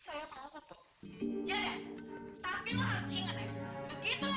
enggak mau tahu